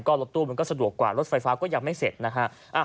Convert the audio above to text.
ก็รถตู้มันก็สะดวกกว่ารถไฟฟ้าก็ยังไม่เสร็จนะฮะ